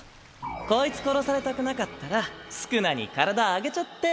こいつ殺されたくなかったら宿儺に体あげちゃって。